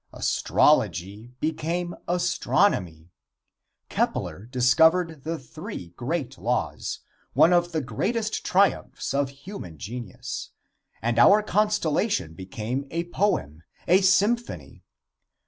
Astrology became astronomy. Kepler discovered the three great laws, one of the greatest triumphs of human genius, and our constellation became a poem, a symphony.